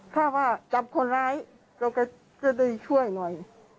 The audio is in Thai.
ถ้าว่าจับคนร้ายก็จะได้ช่วยหน่อย